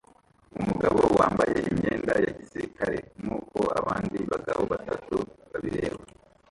Umugabo wambaye imyenda ya gisirikare nkuko abandi bagabo batatu babireba